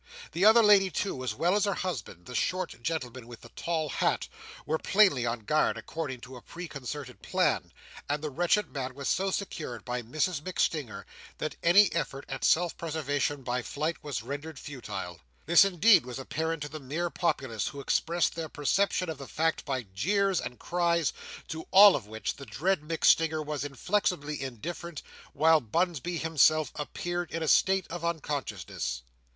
The other lady, too, as well as her husband, the short gentleman with the tall hat, were plainly on guard, according to a preconcerted plan; and the wretched man was so secured by Mrs MacStinger, that any effort at self preservation by flight was rendered futile. This, indeed, was apparent to the mere populace, who expressed their perception of the fact by jeers and cries; to all of which, the dread MacStinger was inflexibly indifferent, while Bunsby himself appeared in a state of unconsciousness.